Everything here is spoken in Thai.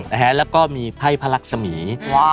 แล้วก็มีไพ่พระรักษมี